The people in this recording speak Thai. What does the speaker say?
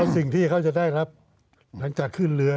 สิ่งที่เขาจะได้รับหลังจากขึ้นเรือ